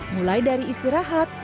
mulai dari istirahat